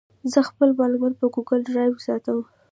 زه خپل معلومات په ګوګل ډرایو ساتم.